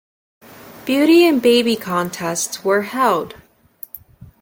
Beauty and baby contests were held.